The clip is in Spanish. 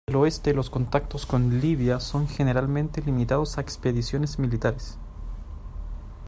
El oeste, los contactos con Libia son generalmente limitados a expediciones militares.